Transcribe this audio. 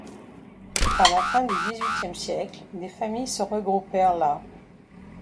À la fin du dix-huitième siècle, des familles se regroupèrent là.